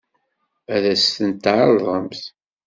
Ad as-ten-tɛeṛḍemt?